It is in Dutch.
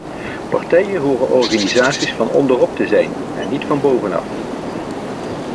Partijen horen organisaties van onderop te zijn en niet van bovenaf.